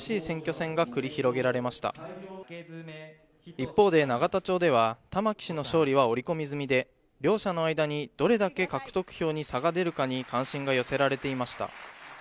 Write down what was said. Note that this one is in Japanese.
一方で永田町では、玉木氏の勝利は織り込み済みで両者の間にどれだけ獲得票に差が出るかに関心が寄せられていました。